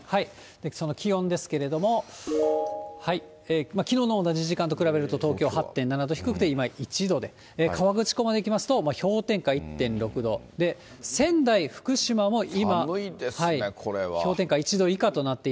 その気温ですけれども、きのうの同じ時間と比べると東京８．７度、低くて、今、１度で、河口湖まで行きますと氷点下１．６度、仙台、福島も今。